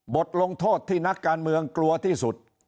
บทลงโทษที่นักการเมืองกลัวที่สุด